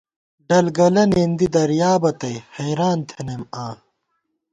ڈل گَلہ ، نېندی ، دریابہ تئ حیریان تھنَئیم آں